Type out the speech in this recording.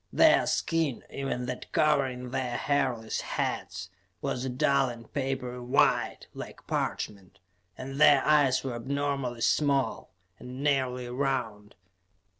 Their skin, even that covering their hairless heads, was a dull and papery white, like parchment, and their eyes were abnormally small, and nearly round.